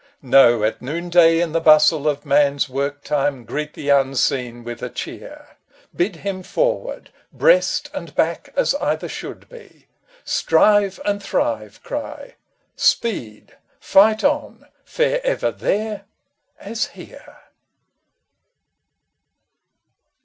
No, at noonday in the bustle of man's work time Greet the unseen with a cheer ! Bid him forward, breast and back as either should be,. "Strive and thrive !" cry "Speed,— fight on, fare ever There as here